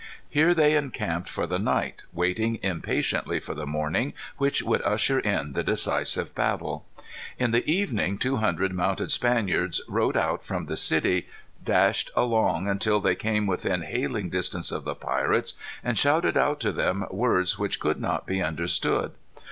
Here they encamped for the night, waiting impatiently for the morning, which would usher in the decisive battle. In the evening two hundred mounted Spaniards rode out from the city, dashed along until they came within hailing distance of the pirates, and shouted out to them words which could not be understood.